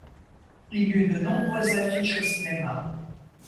Il y eut de nombreuses affiches au cinéma.